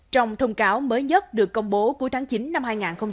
trong thông cáo mới nhất được công bố cuối tháng chín năm hai nghìn hai mươi ba